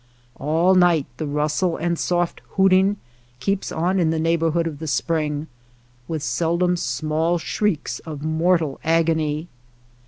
All night the rustle and soft hooting keeps on in the neighborhood of the spring, with seldom small shrieks of mortal agony.